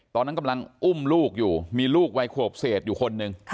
ตอนนั้นกำลังอุ้มลูกอยู่มีลูกวัยขวบเศษอยู่คนหนึ่ง